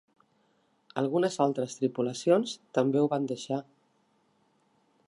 Algunes altres tripulacions també ho van deixar.